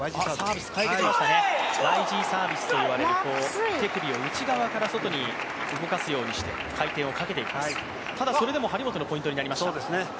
ＹＧサービスと呼ばれる手首を内側から外に動かすようにして回転をかけていきます、ただ、それでも張本のポイントになりました。